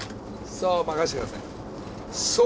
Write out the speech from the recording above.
そう任せてください。